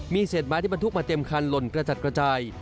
มีเศษไม้ที่บรรทุกมาเต็มคันหล่นกระจัดกระจาย